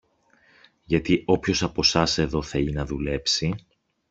γιατί όποιος από σας εδώ θέλει να δουλέψει